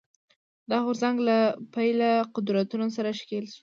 دا غورځنګ له پیله قدرتونو سره ښکېل شو